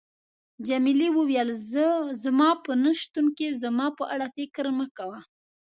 جميلې وويل: زما په نه شتون کې زما په اړه فکر مه کوه.